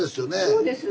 そうです。